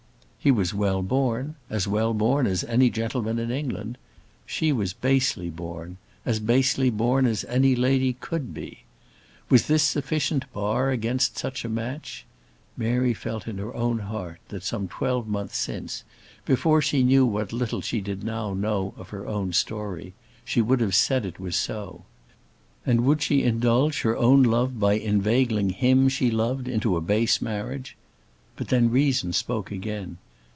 He was well born as well born as any gentleman in England. She was basely born as basely born as any lady could be. Was this sufficient bar against such a match? Mary felt in her heart that some twelvemonth since, before she knew what little she did now know of her own story, she would have said it was so. And would she indulge her own love by inveigling him she loved into a base marriage? But then reason spoke again.